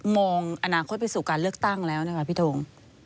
มองอนาคตไปสู่การเลือกตั้งแล้วนะคะพี่ทง